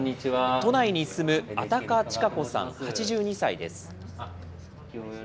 都内に住む安宅千賀子さん８２歳です。